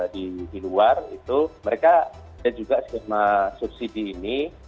di luar itu mereka dan juga schema subsidi ini